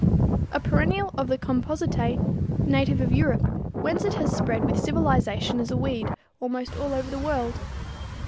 a perennial of the Compositæ, native of Europe, whence it has spread with civilization as a weed almost all over the world.